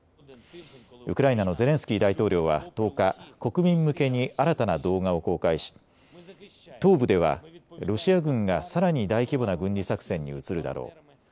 ウクライナのゼレンスキー大統領は１０日、国民向けに新たな動画を公開し東部ではロシア軍がさらに大規模な軍事作戦に移るだろう。